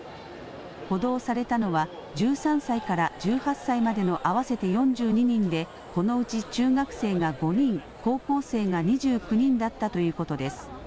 補導されたのは１３歳から１８歳までの合わせて４２人でこのうち中学生が５人、高校生が２９人だったということです。